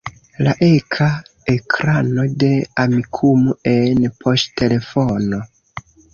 La eka ekrano de Amikumu en poŝtelefono.